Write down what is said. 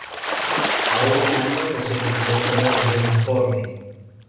A un año no se vislumbra ningún informe.